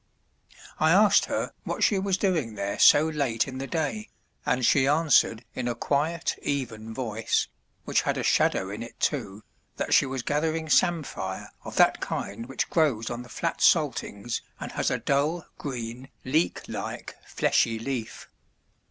I asked her what she was doing there so late in the day, and she answered in a quiet even voice which had a shadow in it too, that she was gathering samphire of that kind which grows on the flat saltings and has a dull green leek like fleshy leaf.